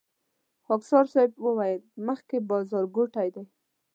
خاکسار صیب وويل مخکې بازارګوټی دی.